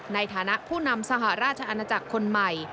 ในฐานะผู้นำสหราชอาณาจักรคนใหม่